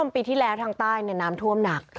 ปีที่แล้วทางใต้น้ำท่วมหนัก